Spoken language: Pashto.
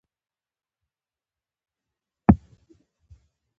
د دې بیرغ زموږ کفن دی؟